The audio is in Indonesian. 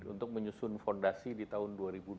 untuk menyusun fondasi di tahun dua ribu dua puluh